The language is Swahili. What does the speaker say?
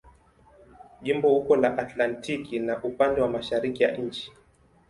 Jimbo uko la Atlantiki na upande wa mashariki ya nchi.